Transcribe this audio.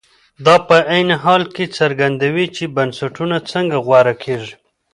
دا په عین حال کې څرګندوي چې بنسټونه څنګه غوره کېږي.